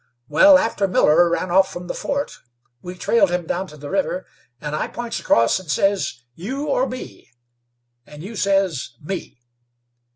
Wal, after Miller ran off from the fort, we trailed him down to the river, and I points across and says, 'You or me?' and you says, 'Me.'